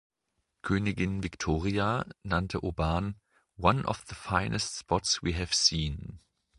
Königin Victoria nannte Oban „one of the finest spots we have seen“.